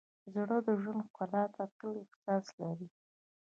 زړه د ژوند ښکلا ته تل احساس لري.